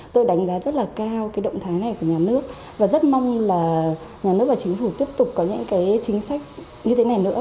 tôi đánh giá rất là cao cái động thái này của nhà nước và rất mong là nhà nước và chính phủ tiếp tục có những cái chính sách như thế này nữa